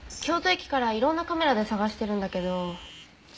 京都駅からいろんなカメラで捜してるんだけど。